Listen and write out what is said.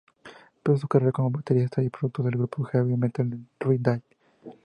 Empezó su carrera como baterista y productor del grupo de heavy metal T-Ride.